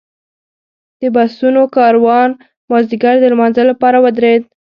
د بسونو کاروان مازیګر د لمانځه لپاره ودرېد.